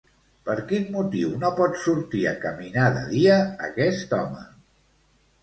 Per quin motiu no pot sortir a caminar de dia, aquest home?